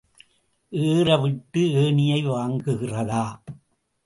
ஏற விட்டு ஏணியை வாங்குகிறதா!